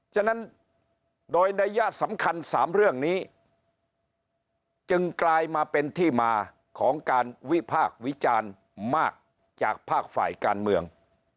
ฉะนั้นโดยนัยสำคัญ๓เรื่องนี้จึงกลายมาเป็นที่มาของการวิพากษ์วิจารณ์มากจากภาคฝ่ายการเมือง